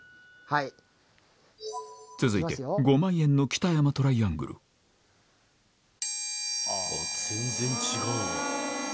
続いて５万円の北山トライアングルあっ全然違うな。